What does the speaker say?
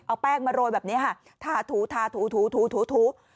เอาแป้งมาโรยแบบนี้ค่ะทาถูทาถูถู